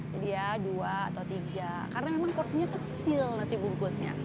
jadi ya dua atau tiga karena memang kursinya kecil nasi bungkusnya